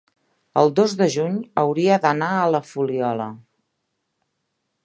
el dos de juny hauria d'anar a la Fuliola.